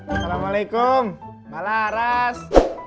assalamualaikum mala aras